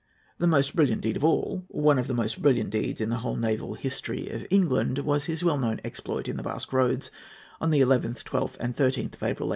The most brilliant deed of all, one of the most brilliant deeds in the whole naval history of England, was his well known exploit in the Basque Roads on the 11th, 12th, and 13th of April, 1809.